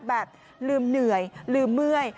แบบริ้มเหนื่อยริ้มเมื่ย